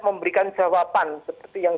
memberikan jawaban seperti yang